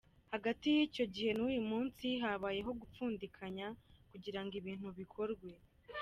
Hagati y’icyo gihe n’uyu munsi, habayeho gupfundikanya kugira ngo ibintu bikorwe.